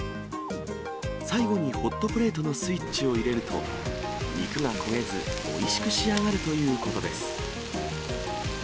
最後にホットプレートのスイッチを入れると、肉が焦げずおいしく仕上がるということです。